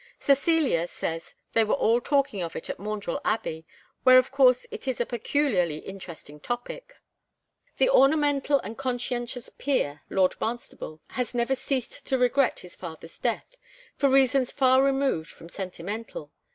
Cecilia says they were all talking of it at Maundrell Abbey, where of course it is a peculiarly interesting topic. That ornamental and conscientious peer, Lord Barnstable, has never ceased to regret his father's death, for reasons far removed from sentimental.